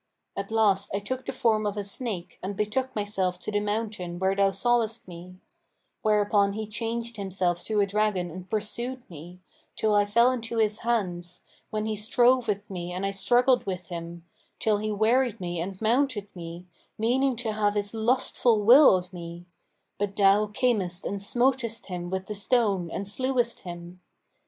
At last I took the form of a snake and betook myself to the mountain where thou sawest me; whereupon he changed himself to a dragon and pursued me, till I fell into his hands, when he strove with me and I struggled with him, till he wearied me and mounted me, meaning to have his lustful will of me: but thou camest and smotest him with the stone and slewest him.